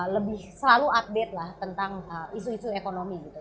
lebih selalu update lah tentang isu isu ekonomi gitu